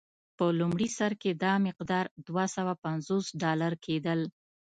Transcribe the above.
په لومړي سر کې دا مقدار دوه سوه پنځوس ډالر کېدل.